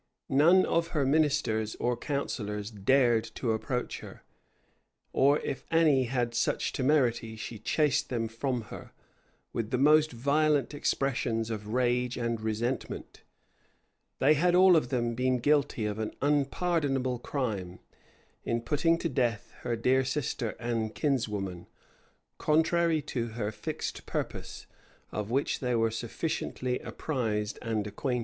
None of her ministers or counsellors dared to approach her; or if any had such temerity, she chased them from her, with the most violent expressions of rage and resentment; they had all of them been guilty of an unpardonable crime, in putting to death her dear sister and kinswoman, contrary to her fixed purpose,[*] of which they were sufficiently apprised and acquainted.